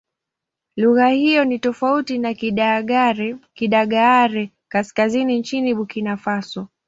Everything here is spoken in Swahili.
Lugha hiyo ni tofauti na Kidagaare-Kaskazini nchini Burkina Faso.